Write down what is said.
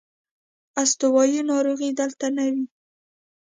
استوايي ناروغۍ دلته نه وې.